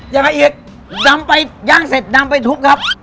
ยังไงอีกนำไปย่างเสร็จนำไปทุบครับ